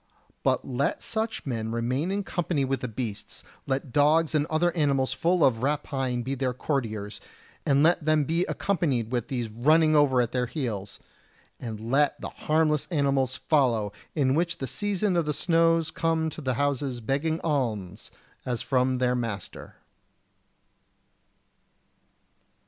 But let such men remain in company with the beasts; let dogs and other animals full of rapine be their courtiers, and let them be accompanied with these running ever at their heels! and let the harmless animals follow, which in the season of the snows come to the houses begging alms as from their master.